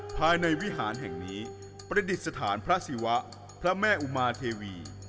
ภายในวิหารแห่งนี้ประดิษฐานพระศิวะพระแม่อุมาเทวี